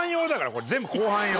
これ全部後半用。